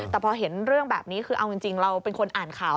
แต่พอเห็นเรื่องแบบนี้คือเอาจริงเราเป็นคนอ่านข่าว